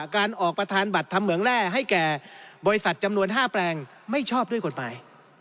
การออกประธานบัตรทำเหมืองแร่ให้แก่บริษัทจำนวน๕แปลงไม่ชอบด้วยกฎหมาย